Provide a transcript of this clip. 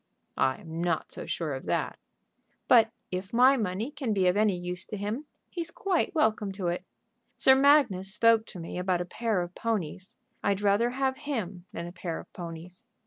"I'm not so sure of that." "But if my money can be of any use to him, he's quite welcome to it. Sir Magnus spoke to me about a pair of ponies. I'd rather have him than a pair of ponies."